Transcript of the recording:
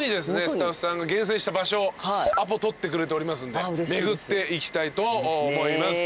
スタッフさんが厳選した場所アポ取ってくれておりますんで巡っていきたいと思います。